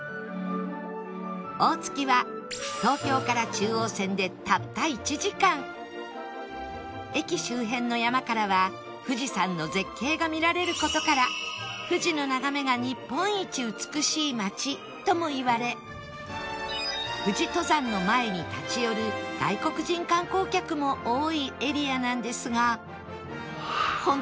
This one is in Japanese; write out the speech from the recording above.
大月は東京から駅周辺の山からは富士山の絶景が見られる事から「富士の眺めが日本一美しい街」ともいわれ富士登山の前に立ち寄る外国人観光客も多いエリアなんですが